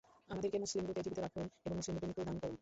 আমাদেরকে মুসলিমরূপে জীবিত রাখুন এবং মুসলিমরূপে মৃত্যু দান করুন।